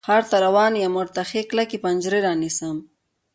ښار ته روان یم، ورته ښې کلکې پنجرې رانیسم